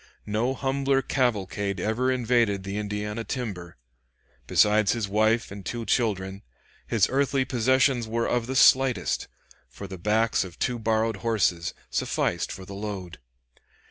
No humbler cavalcade ever invaded the Indiana timber. Besides his wife and two children, his earthly possessions were of the slightest, for the backs of two borrowed horses sufficed for the load.